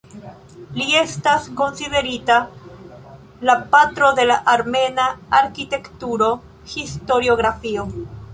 Li estas konsiderita "la patro de la armena arkitektura historiografio.